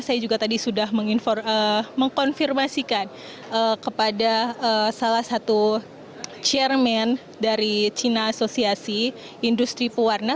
saya juga tadi sudah mengkonfirmasikan kepada salah satu chairman dari cina asosiasi industri pewarna